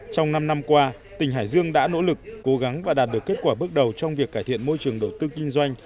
trong năm năm qua tỉnh hải dương đã nỗ lực cố gắng và đạt được kết quả bước đầu trong việc cải thiện môi trường đầu tư kinh doanh